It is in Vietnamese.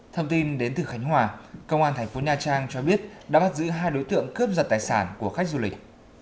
thông tin đến từ khánh hòa công an thành phố nha trang cho biết đã bắt giữ hai đối tượng cướp giật tài sản của khách du lịch